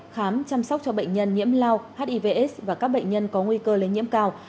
khám chăm sóc cho bệnh nhân nhiễm lao hivs và các bệnh nhân có nguy cơ lây nhiễm cao